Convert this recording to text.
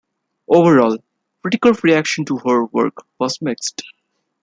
Overall, critical reaction to her work was mixed.